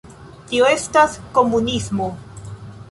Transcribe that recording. Tio estas komunismo